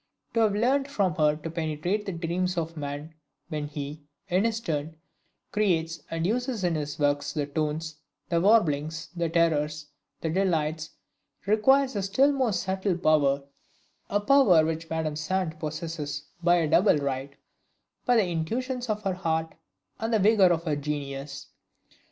To have learned from her to penetrate the dreams of man when he, in his turn, creates, and uses in his works the tones, the warblings, the terrors, the delights, requires a still more subtle power; a power which Madame Sand possesses by a double right, by the intuitions of her heart, and the vigor of her genius.